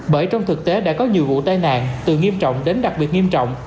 bởi trong thực tế đã có nhiều vụ tai nạn từ nghiêm trọng đến đặc biệt nghiêm trọng